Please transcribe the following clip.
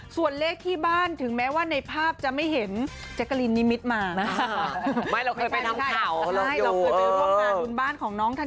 ส่วนเลขที่บ้านถึงแม้ว่าในภาพจะไม่เห็นแจ๊กกะลินนิมิตรมานะคะ